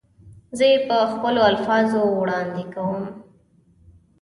زه یې په خپلو الفاظو وړاندې کوم.